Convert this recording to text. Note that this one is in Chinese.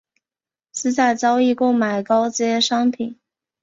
私下交易购买高阶商品